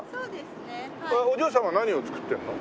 お嬢さんは何を作ってるの？